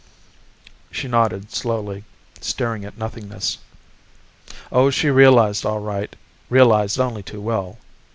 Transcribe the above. She nodded slowly, staring at nothingness. Oh, she realized, all right, realized only too well.